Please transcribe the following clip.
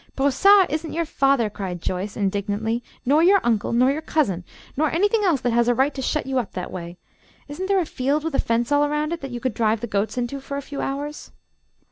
"Brossard isn't your father," cried Joyce, indignantly, "nor your uncle, nor your cousin, nor anything else that has a right to shut you up that way. Isn't there a field with a fence all around it, that you could drive the goats into for a few hours?"